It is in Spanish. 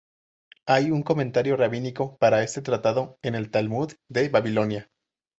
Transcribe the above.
Hay un comentario rabínico para este tratado en el Talmud de Babilonia.